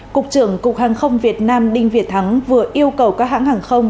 cục trưởng cục hàng không việt nam đinh việt thắng vừa yêu cầu các hãng hàng không